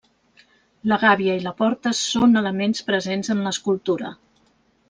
La gàbia i la porta, són elements presents en l'escultura.